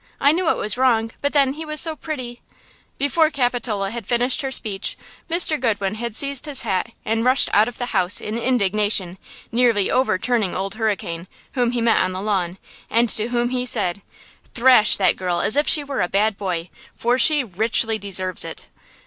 I knew it was wrong, but then he was so pretty–" Before Capitola had finished her speech Mr. Goodwin had seized his hat and rushed out of the house in indignation, nearly overturning Old Hurricane, whom he met on the lawn, and to whom he said: "Thrash that girl as if she were a bad boy, for she richly deserves it!"